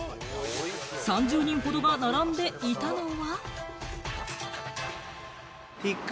３０人ほどが並んでいたのは。